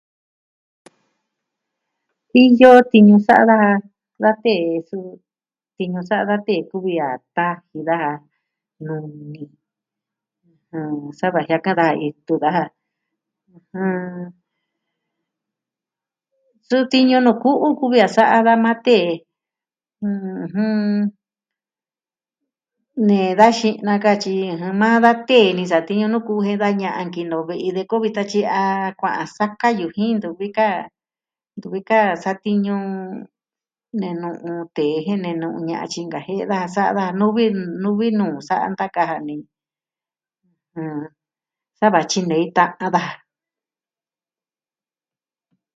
Iyo tiñu sa'a da... da tee su... tiñu sa'a da tee kuvi a taji daja nuni... ɨɨ... sava jia'a ka da itu daja. ɨjin... Su tiñu nuu ku'u kuvi a sa'a da maa tee. ɨjɨn... Nee da xi'na katyi maa da tee ni satiñu nuu ku jen da ña'a a nkinoo vi'i de kuvita tyi a kua'an sakayu jin ntuvi ka, ntuvi ka satiñu... nee nu'un tee je nee nu'un ña'an tyi nkajie'e daja sa'a da nuvi mmm nuvi nuu sa'a ntaka dani. Nnn. Sava tyinei ta'an daja.